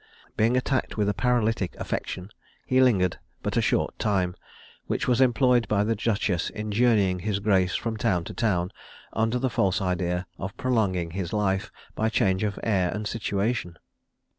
Being attacked with a paralytic affection, he lingered but a short time, which was employed by the duchess in journeying his grace from town to town, under the false idea of prolonging his life by change of air and situation.